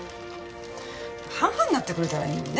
半々になってくれたらいいのにね。